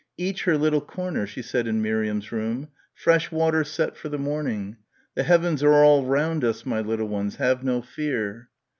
"Each her little corner," she said in Miriam's room, "fresh water set for the morning. The heavens are all round us, my little ones; have no fear."